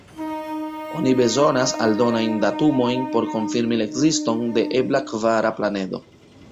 Oni bezonas aldonajn datumojn por konfirmi la ekziston de ebla kvara planedo.